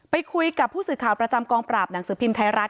ไปคุยกับผู้สื่อข่าวประจำกองปราบหนังสือพิมพ์ไทยรัฐ